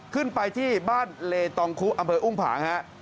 ขึ้นไปที่บ้านเลตองคุอำเภออุ้งผางฮะ